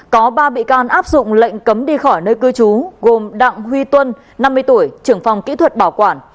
có ba bị can áp dụng lệnh cấm đi khỏi nơi cư trú gồm đặng huy tuân năm mươi tuổi trưởng phòng kỹ thuật bảo quản